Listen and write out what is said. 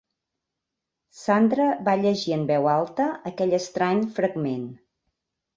Sandra va llegir en veu alta aquell estrany fragment.